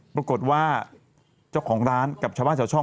ปรากฏว่าเจ้าของร้านกับชาวบ้านชาวช่อง